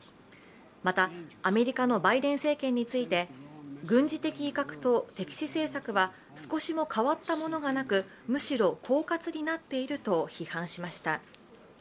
また、アメリカのバイデン政権について軍事的威嚇と敵視政策は少しも変わったことはなく、むしろこうかつになっていると批判しました。